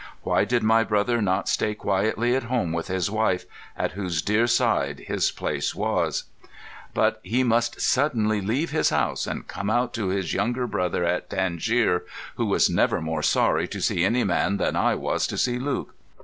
Why did my brother not stay quietly at home with his wife, at whose deare side his place was? But he must suddenlie leave his house, and come out to his younger brother at Tangier, who was never more sorry to see any man than I was to see Luke.